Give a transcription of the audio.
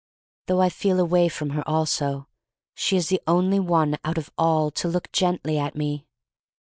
Though I feel away from her also, she is the only one out of all to look gently at me.